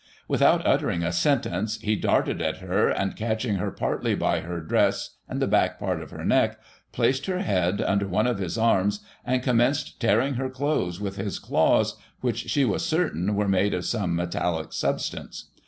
Without uttering a sentence, he darted at her, and catching her partly by her dress and the back part of her neck, placed her head under one of his arms, and commenced tearing her clothes with his claws, which she was certain were made of some metallic substance.